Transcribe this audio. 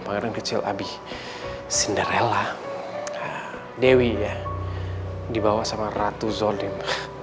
pangeran kecil abih cinderella dewi ya dibawa sama ratu zorin